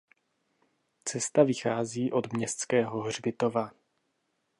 Cesta vychází od městského hřbitova.